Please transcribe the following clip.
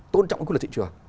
tôn trọng cái luật thị trường